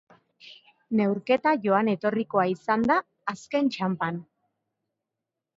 Neurketa joan-etorrikoa izan da azken txanpan.